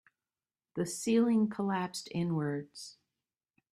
The ceiling collapsed inwards.